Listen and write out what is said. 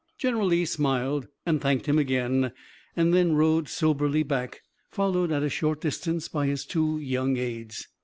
General Lee smiled and thanked him again, and then rode soberly back, followed at a short distance by his two young aides.